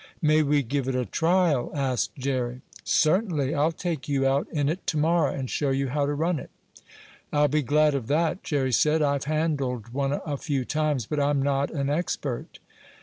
"May we give it a trial?" asked Jerry. "Certainly. I'll take you out in it to morrow and show you how to run it." "I'll be glad of that," Jerry said. "I've handled one a few times, but I'm not an expert."